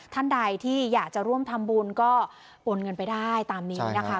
ท่านใดที่อยากจะร่วมทำบุญก็โอนเงินไปได้ตามนี้นะคะ